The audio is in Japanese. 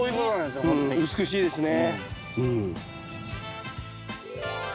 美しいですね。